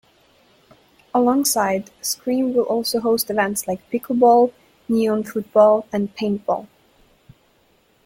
Alongside, Skream will also host events like Pickle-ball, neon football and Paintball.